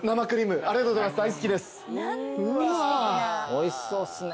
おいしそうっすね。